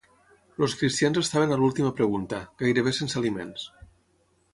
Els cristians estaven a l'última pregunta, gairebé sense aliments.